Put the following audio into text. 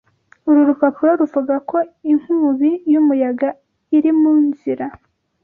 Uru rupapuro ruvuga ko inkubi y'umuyaga iri mu nzira.